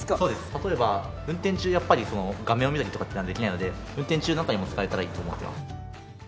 例えば運転中やっぱり画面を見たりとかっていうのはできないので運転中なんかにも使えたらいいと思ってます。